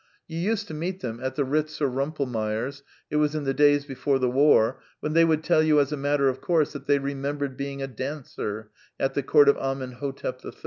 You used to meet them at the Eitz or Eum pelmeyer's (it was in the days before the War), when they would tell you as a matter of course that they remembered being a dancer at the court of Amen Hotep III.